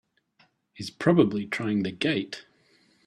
He's probably trying the gate!